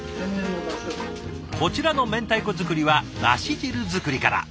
こちらの明太子作りはだし汁作りから。